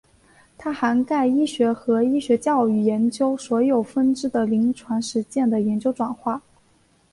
它涵盖医学和医学教育研究所有分支的临床实践的研究转化。